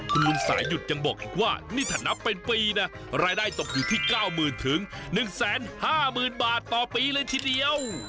คุณลุงสายหยุดยังบอกอีกว่านี่ถ้านับเป็นปีนะรายได้ตกอยู่ที่๙๐๐๑๕๐๐๐บาทต่อปีเลยทีเดียว